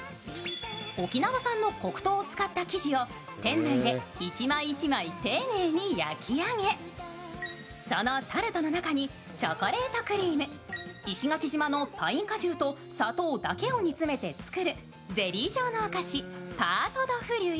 沖縄産の黒糖を使った生地を店内で１枚１枚丁寧に焼き上げそのタルトの中にチョコレートクリーム、石垣島のパイン果汁と砂糖だけを煮詰めて作るゼリー状のお菓子パート・ド・フリュイ。